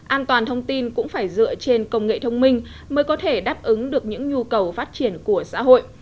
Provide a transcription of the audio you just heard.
an toàn thông tin cũng phải dựa trên công nghệ thông minh mới có thể đáp ứng được những nhu cầu phát triển của xã hội